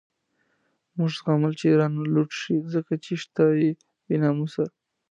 موږ زغمل چی رانه لوټ شی، څه چی شته دی بی ناموسه